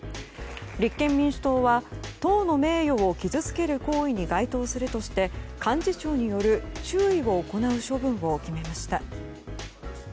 立憲民主党は党の名誉を傷つける行為に該当するとして幹事長による注意を行う処分を決めました。